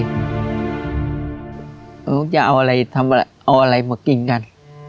ต้องจะเอาอะไรมากินกัน